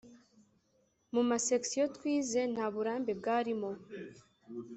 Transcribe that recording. mu ma sections twize, nta burambe bwarimo